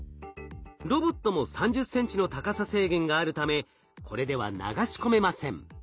ロボットも３０ｃｍの高さ制限があるためこれでは流し込めません。